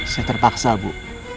saya terpaksa bu